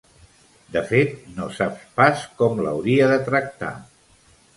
De fet, no sap pas com l'hauria de tractar.